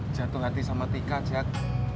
jatuh hati sama tika jahat